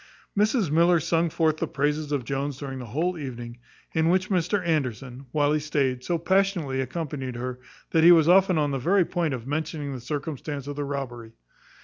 Mrs Miller sung forth the praises of Jones during the whole evening, in which Mr Anderson, while he stayed, so passionately accompanied her, that he was often on the very point of mentioning the circumstance of the robbery.